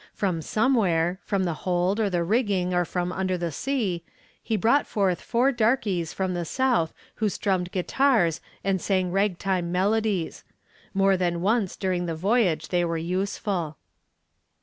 From somewhere, from the hold or the rigging or from under the sea, he brought forth four darkies from the south who strummed guitars and sang ragtime melodies. More than once during the voyage they were useful.